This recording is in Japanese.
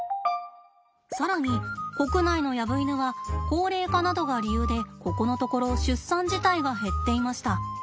更に国内のヤブイヌは高齢化などが理由でここのところ出産自体が減っていました。